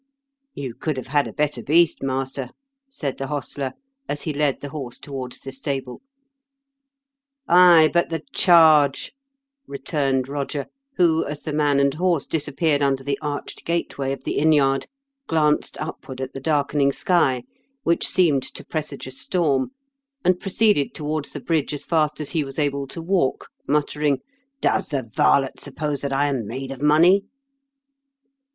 " You could have had a better beast, master," said the hostler, as he led the horse towards the stable. 96 m KENT WITH CHARLES DICKENS. "Ay, but the charge I " returned Roger, who, as the man and horse disappeared under the arched gateway of the inn yard, glanced upward at the darkening sky, which seemed to presage a storm, and proceeded towards the bridge as fast as he was able to walk, muttering :" Does the varlet suppose that I am made of money